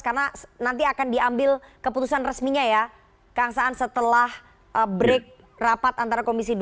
karena nanti akan diambil keputusan resminya ya kang saan setelah break rapat antara komisi dua